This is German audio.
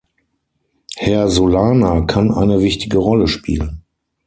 Herr Solana kann eine wichtige Rolle spielen.